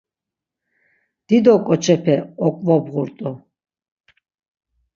Dido ǩoçepe oǩvobğurt̆u.